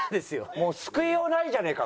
もう救いようないじゃねえか！